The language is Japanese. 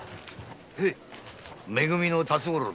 め組の辰五郎だ。